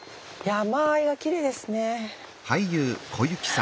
山あいがきれいですね。